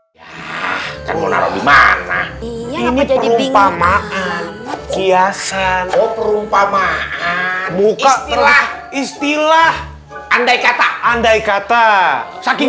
ini perumpamaan kiasan perumpamaan buka istilah istilah andai kata andai kata saking